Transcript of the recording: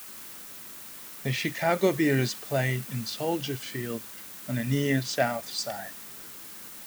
The Chicago Bears play in Soldier Field on the Near South Side.